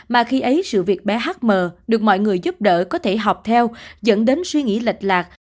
mà khi ấy sự việc bé hát m được mọi người giúp đỡ có thể học theo dẫn đến suy nghĩ lệch lạc